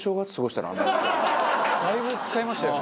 だいぶ使いましたよね。